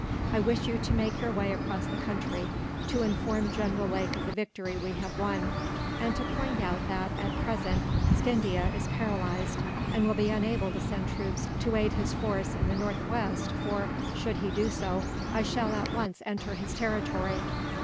I wish you to make your way across the country, to inform General Lake of the victory we have won; and to point out that, at present, Scindia is paralysed, and will be unable to send troops to aid his force in the northwest for, should he do so, I shall at once enter his territory.